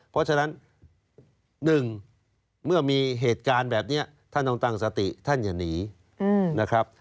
เพราะฉะนั้น๑เมื่อมีเหตุการณ์แบบนี้ท่านต้องตั้งสติท่านอย่าหนีนะครับ